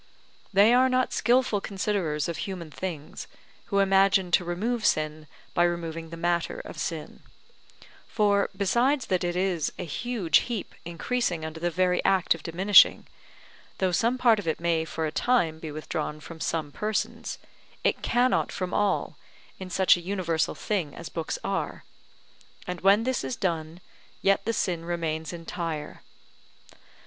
They are not skilful considerers of human things, who imagine to remove sin by removing the matter of sin; for, besides that it is a huge heap increasing under the very act of diminishing, though some part of it may for a time be withdrawn from some persons, it cannot from all, in such a universal thing as books are; and when this is done, yet the sin remains entire.